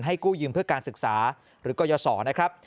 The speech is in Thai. กู้ยืมเพื่อการศึกษาหรือกรยศรนะครับ